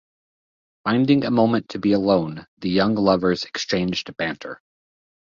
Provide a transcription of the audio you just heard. Finding a moment to be alone, the young lovers exchange banter.